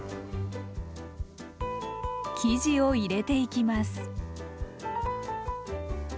生地を入れていきます。